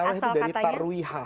taraweh itu dari tarwiha